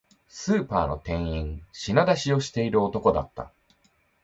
スーパーの店員、品出しをしている男だった